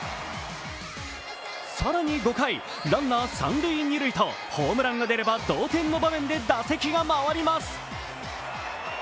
更に５回、ランナー三・二塁とホームランが出れば同点の場面で打席が回ります。